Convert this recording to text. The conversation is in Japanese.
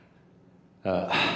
ああ。